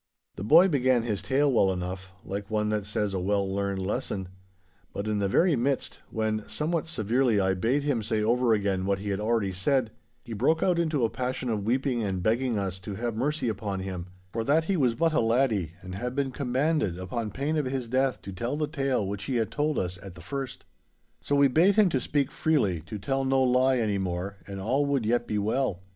The boy began his tale well enough, like one that says a well learned lesson; but in the very midst, when, somewhat severely, I bade him say over again what he had already said, he broke out into a passion of weeping and begging us to have mercy upon him—for that he was but a laddie and had been commanded upon pain of his death to tell the tale which he had told us at the first. So we bade him to speak freely, to tell no lie anymore and all would yet be well.